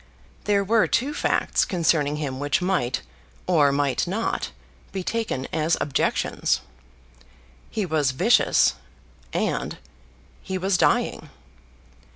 There were two facts concerning him which might, or might not, be taken as objections. He was vicious, and he was dying.